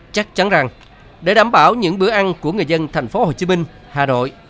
chắc chắn rằng để đảm bảo những bữa ăn của người dân thành phố hồ chí minh hà nội